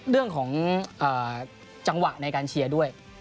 เรื่องของจังหวะในการเชียร์ด้วย